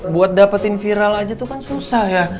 buat dapetin viral aja tuh kan susah ya